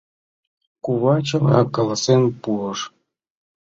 Кува чыла каласен пуыш.